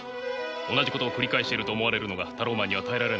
同じことを繰り返していると思われるのがタローマンには耐えられないんです。